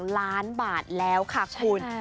ล้านบาทแล้วค่ะคุณ